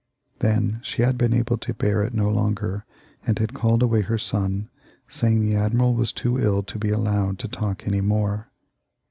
Then she had been able to bear it no longer, and had called away her son, saying the admiral was too ill to be allowed to talk any more.